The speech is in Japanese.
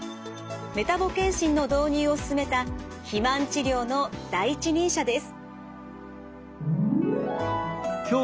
メタボ健診の導入を進めた肥満治療の第一人者です。